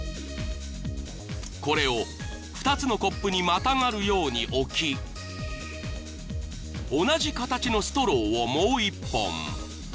［これを２つのコップにまたがるように置き同じ形のストローをもう一本］